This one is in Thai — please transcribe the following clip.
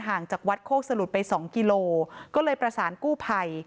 ห่างจากวัดโคกสะหรุดไปสองกิโลก็เลยประสานกู้ไผ่